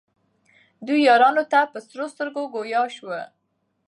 دوو یارانو ته په سرو سترګو ګویا سو